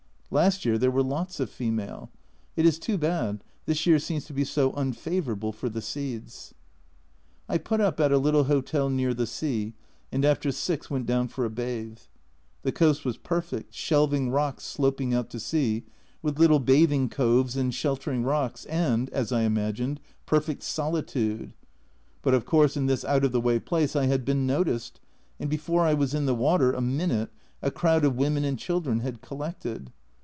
Last year there were lots of female. It is too bad, this year seems to be so unfavourable for the seeds. I put up at a little hotel near the sea, and after six went down for a bathe. The coast was perfect, shelv ing rocks sloping out to sea, with little bathing coves and sheltering rocks, and, as I imagined, perfect solitude. But, of course, in this out of the way place I had been noticed, and before I was in the water a minute a crowd of women and children had collected.